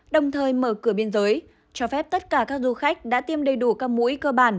đồng thời mở cửa biên giới cho phép tất cả các du khách đã tiêm đầy đủ các mũi cơ bản